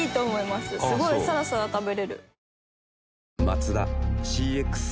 すごいサラサラ食べられる。